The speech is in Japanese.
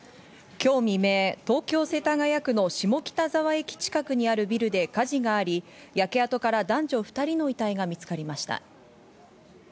今日未明、東京・世田谷区の下北沢駅近くにあるビルで火事があり、焼け跡から男女２人の遺体が見つかりました。